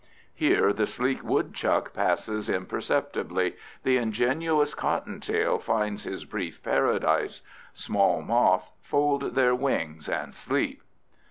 Here the sleek woodchuck passes imperceptibly, the ingenuous cottontail finds his brief paradise; small moths fold their wings and sleep.